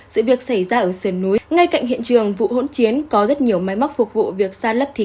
sự việc xảy ra ở sườn núi ngay cạnh hiện trường vụ hỗn chiến có rất nhiều máy móc phục vụ việc san lấp thiết